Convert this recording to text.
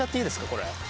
これ。